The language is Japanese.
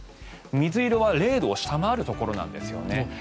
水色は０度を下回るところなんですよね。